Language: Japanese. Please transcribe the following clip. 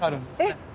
えっ！